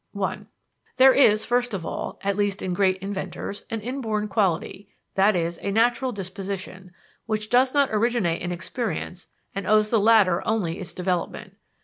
(I) There is first of all, at least in great inventors, an inborn quality, that is, a natural disposition, that does not originate in experience and owes the latter only its development.